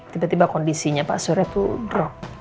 tiba tiba kondisinya pak sure itu drop